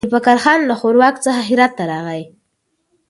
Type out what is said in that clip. ذوالفقار خان له ښوراوک څخه هرات ته راغی.